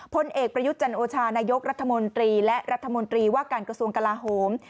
พลเอกประยุทธ์จันโอชานายกรัฐมนตรีและรัฐมนตรีว่าการกระทรวงกลาโหม